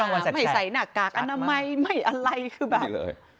ไม่ใส่หน้ากากอนามัยไม่อะไรคือแบบ